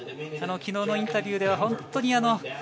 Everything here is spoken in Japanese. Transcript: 昨日のインタビューでは本当に。